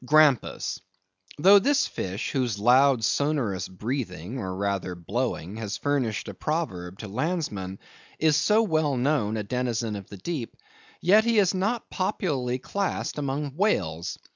(Grampus).—Though this fish, whose loud sonorous breathing, or rather blowing, has furnished a proverb to landsmen, is so well known a denizen of the deep, yet is he not popularly classed among whales.